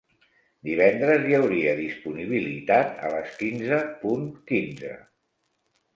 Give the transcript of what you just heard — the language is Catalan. Divendres hi hauria disponibilitat a les quinze punt quinze.